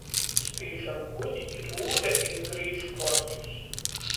Spīžam guni, i Rūde izgrīž korķus.